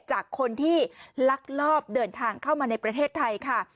จากคนที่ลักลอบเดินทางเข้ามาในประเทศไทยค่ะ